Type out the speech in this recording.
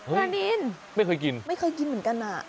นานินไม่เคยกินไม่เคยกินเหมือนกันน่ะ